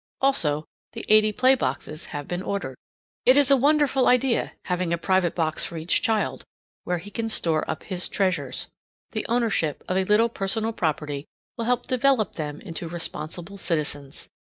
Also, the eighty play boxes have been ordered. It is a wonderful idea, having a private box for each child, where he can store up his treasures. The ownership of a little personal property will help develop them into responsible citizens.